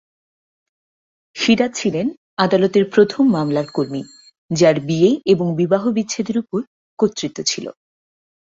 সিরাজ ছিলেন আদালতের প্রথম মামলার কর্মী, যার বিয়ে এবং বিবাহ বিচ্ছেদের উপর কর্তৃত্ব ছিল।